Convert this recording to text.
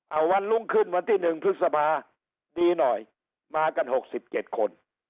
เอาวันรุ่งขึ้นวันที่๑พฤษภาดีหน่อยมากัน๖๗คน